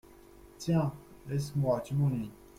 Tiens, laisse-moi, tu m’ennuies !